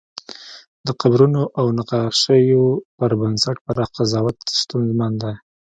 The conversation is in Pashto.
د قبرونو او نقاشیو پر بنسټ پراخ قضاوت ستونزمن دی.